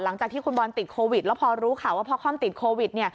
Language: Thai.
หลังจากที่คุณบอลติดโควิดแล้วพอรู้ข่าวว่าพ่อค่อมติดโควิด